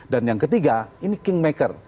dan yang ketiga ini kingmaker